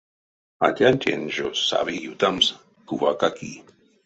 Атянтень жо сави ютамс кувака ки.